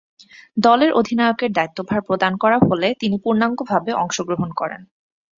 দলের অধিনায়কের দায়িত্বভার প্রদান করা হলে তিনি পূর্ণাঙ্গভাবে অংশগ্রহণ করেন।